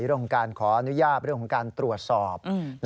เรื่องของการขออนุญาตเรื่องของการตรวจสอบ